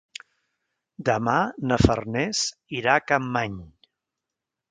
Demà na Farners irà a Capmany.